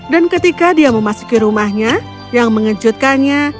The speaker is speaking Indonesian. ketika dia memasuki rumahnya yang mengejutkannya